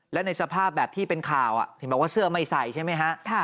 และในสภาพแบบที่เป็นข่าวเห็นบอกว่าเสื้อไม่ใส่ใช่ไหมฮะ